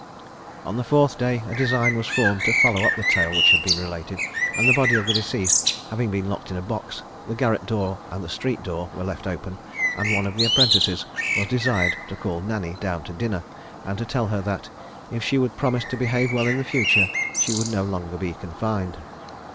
On the fourth day, a design was formed to follow up the tale which had been related; and the body of the deceased having been locked in a box, the garret door and the street door were left open, and one of the apprentices was desired to call Nanny down to dinner, and to tell her that if she would promise to behave well in future, she would be no longer confined.